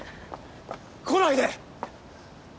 来ないで！